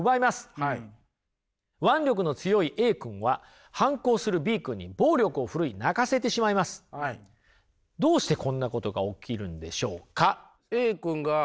腕力の強いＡ君は反抗するＢ君に暴力を振るい泣かせてしまいます。どうしてこんなことが起きるんでしょうか！